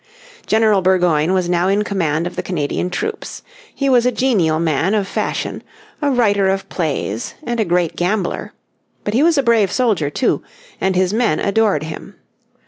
General Burgoyne was now in command of the Canadian troops. He was a genial man of fashion, a writer of plays, and a great gambler. But he was a brave soldier, too, and his men adored him.